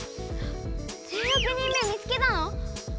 １６人目見つけたの？